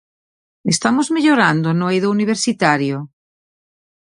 ¿Estamos mellorando no eido universitario?